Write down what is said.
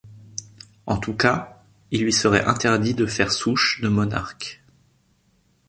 En tout cas, il lui serait interdit de faire souche de monarques.